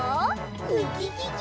ウキキキ！